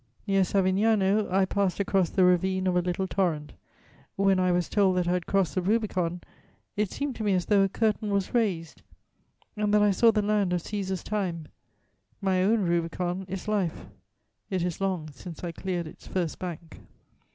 "Near Savignano, I passed across the ravine of a little torrent: when I was told that I had crossed the Rubicon, it seemed to me as though a curtain was raised and that I saw the land of Cæsar's time. My own Rubicon is life: it is long since I cleared its first bank.